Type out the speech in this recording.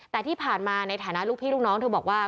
แต่ที่ผ่านมาในฐานะลูกพี่ลูกน้องเธอบอกว่า